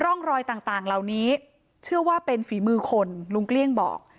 ร่องรอยต่างเหล่านี้เชื่อว่าเป็นฝีมือคนลุงเกลี้ยงบอก